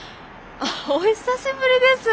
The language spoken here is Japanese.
あっお久しぶりです。